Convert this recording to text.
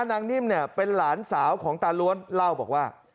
นิ่มเนี่ยเป็นหลานสาวของตาล้วนเล่าบอกว่า